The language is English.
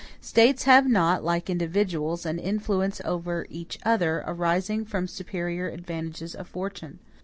States have not, like individuals, an influence over each other, arising from superior advantages of fortune.